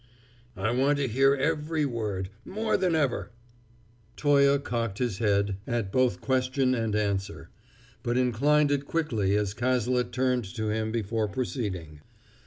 "I want to hear every word more than ever!" Toye cocked his head at both question and answer, but inclined it quickly as Cazalet turned to him before proceeding.